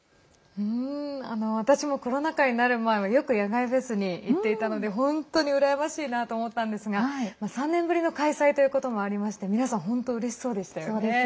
私もコロナ禍になる前はよく野外フェスに行っていたので本当に羨ましいなと思ったんですが３年ぶりの開催ということもありまして皆さん本当うれしそうでしたよね。